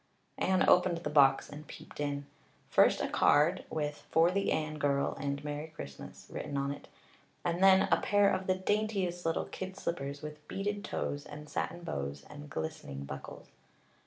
Anne opened the box and peeped in. First a card with "For the Anne girl and Merry Christmas," written on it; and then, a pair of the daintiest little kid slippers, with beaded toes and satin bows and glistening buckles.